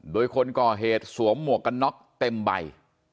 โดยคนก่อเหตุสวมหมวกกันน็อกเต็มใบ